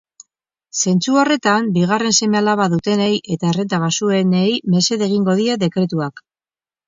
Zentzu horretan, bigarren seme-alaba dutenei eta errenta baxuenei mesede egingo die dekretuak.